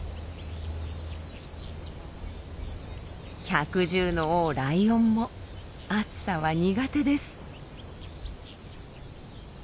百獣の王ライオンも暑さは苦手です。